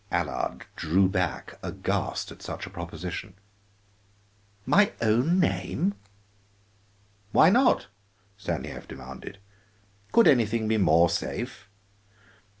Allard drew back aghast at such a proposition. "My own name " "Why not?" Stanief demanded. "Could anything be more safe?